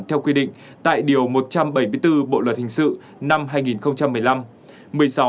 theo quy định tại điều một trăm bảy mươi bốn bộ luật hình sự năm hai nghìn một mươi năm